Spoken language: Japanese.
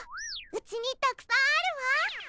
うちにたくさんあるわ！